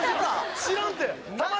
知らんて。